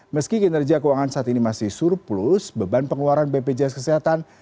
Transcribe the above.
meski kinerja keuangan saat ini masih surplus beban pengeluaran bpjs kesehatan